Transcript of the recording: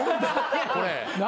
これ。